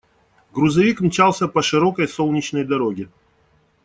Грузовик мчался по широкой солнечной дороге.